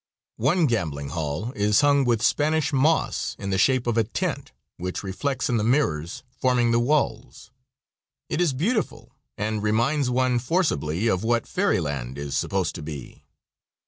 One gambling hall is hung with Spanish moss in the shape of a tent, which reflects in the mirrors forming the walls. It is beautiful and reminds one forcibly of what fairyland is supposed to be.